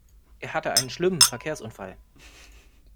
Er hatte einen schlimmen Verkehrsunfall.